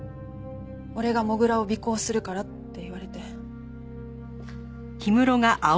俺が土竜を尾行するからって言われて。